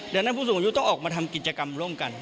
ดังนั้นผู้สูงอายุต้องออกมาทำกิจกรรมร่วมกัน